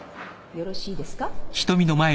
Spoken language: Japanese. よろしいですか？